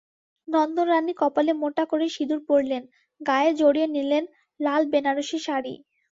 নন্দরানী কপালে মোটা করে সিঁদুর পরলেন, গায়ে জড়িয়ে নিলেন লাল বেনারসি শাড়ি।